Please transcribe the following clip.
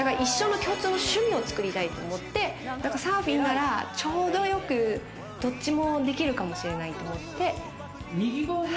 共通の趣味を作りたいと思ってサーフィンならちょうどよくどっちもできるかもしれないと思って。